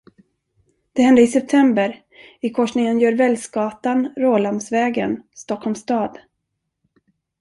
Det hände i september i korsningen Gjörwellsgatan - Rålambsvägen, Stockholms stad.